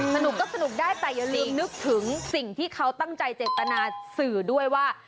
สนุกก็สนุกได้แต่อย่าลืมนึกถึงสิ่งที่เขาตั้งใจเจตนาสื่อด้วยว่า